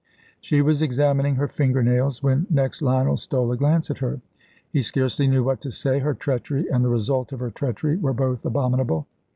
She was examining her finger nails when next Lionel stole a glance at her. He scarcely knew what to say. Her treachery and the result of her treachery were both abominable.